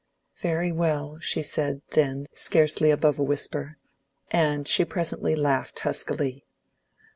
"Very well," she said, then, scarcely above a whisper, and she presently laughed huskily.